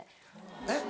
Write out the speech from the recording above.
えっ？